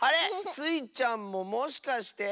スイちゃんももしかして？